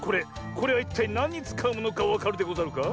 これはいったいなんにつかうものかわかるでござるか？